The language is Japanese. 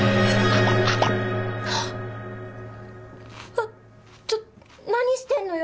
あっちょっ何してんのよ